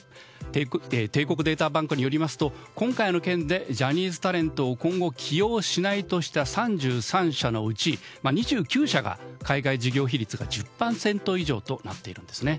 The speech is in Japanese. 帝国データバンクによりますと今回の件でジャニーズタレントを今後、起用しないとした３３社のうち２９社が海外事業比率が１０％以上となっているんですね。